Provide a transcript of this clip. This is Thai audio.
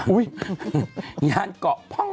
อุ๊ยยานกะพ่อง